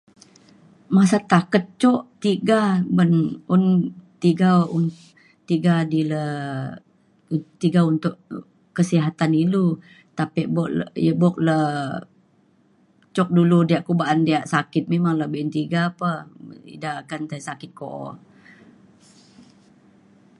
masat taket jok tiga ban un tiga un- tiga di le u- tiga untuk kesihatan ilu tapi buk le tapi buk le cuk dulu ko ba’an diak sakit memang la be’un tiga pe ida akan tai sakit ko’o.